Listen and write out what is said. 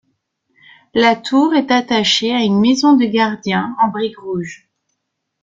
La tour est attachée à une maison de gardien en brique rouge.